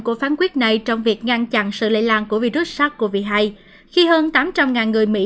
của phán quyết này trong việc ngăn chặn sự lây lan của virus sars cov hai khi hơn tám trăm linh người mỹ